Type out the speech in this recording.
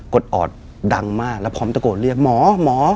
ดออดดังมากแล้วพร้อมตะโกนเรียกหมอหมอ